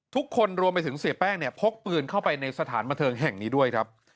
ทุกคนรวมไปถึงเสียแป้งเนี่ยพกปืนเข้าไปในสถานบันเทิงแห่งนี้ด้วยครับ